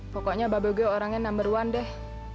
pokoknya baboge orangnya number one deh